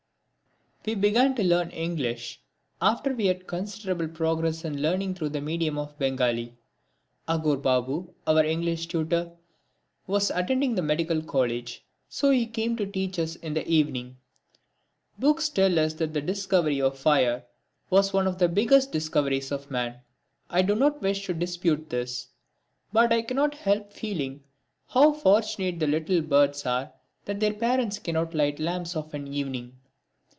We began to learn English after we had made considerable progress in learning through the medium of Bengali. Aghore Babu, our English tutor, was attending the Medical College, so he came to teach us in the evening. Books tell us that the discovery of fire was one of the biggest discoveries of man. I do not wish to dispute this. But I cannot help feeling how fortunate the little birds are that their parents cannot light lamps of an evening.